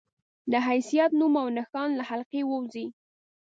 د حيثيت، نوم او نښان له حلقې ووځي